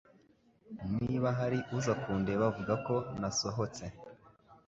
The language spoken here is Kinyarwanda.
Niba hari uza kundeba vuga ko nasohotse